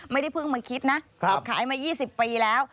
ไม่ได้เพิ่งมาคิดนะขายมา๒๐ปีแล้ว